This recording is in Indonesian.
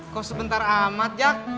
kok sebentar amat jak